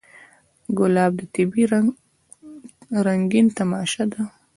ګلاب د طبیعت رنګین تماشه ده.